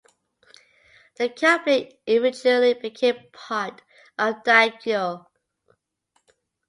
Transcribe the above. The company eventually became part of Diageo.